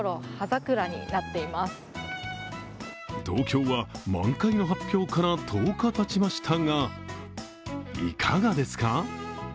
東京は満開の発表から１０日たちましたが、いかがですか？